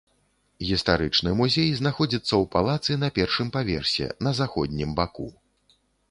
Гістарычны музей знаходзіцца ў палацы на першым паверсе, на заходнім баку.